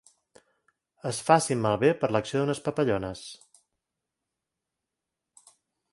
Es facin malbé per l'acció d'unes papallones.